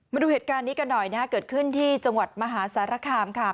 มาดูเหตุการณ์นี้กันหน่อยนะฮะเกิดขึ้นที่จังหวัดมหาสารคามค่ะ